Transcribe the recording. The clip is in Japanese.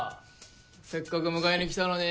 せっかく迎えにきたのに。